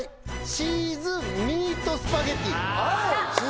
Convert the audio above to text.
チーズミートスパゲッティ